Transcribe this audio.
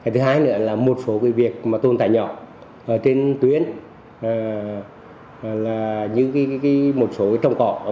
thứ hai nữa là một số cái việc mà tồn tại nhỏ trên tuyến là như một số cái trồng cọ